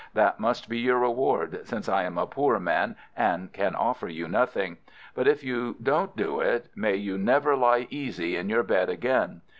That must be your reward, since I am a poor man and can offer you nothing. But if you don't do it, may you never lie easy in your bed again!